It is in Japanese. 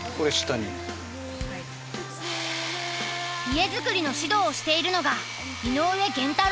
家づくりの指導をしているのが井上源太郎さん。